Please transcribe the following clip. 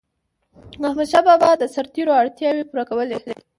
احمدشاه بابا به د سرتيرو اړتیاوي پوره کولي.